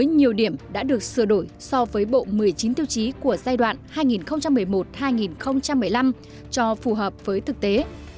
nhiều điểm đã được sửa đổi so với bộ một mươi chín tiêu chí của giai đoạn hai nghìn một mươi một hai nghìn một mươi năm cho phù hợp với thực tế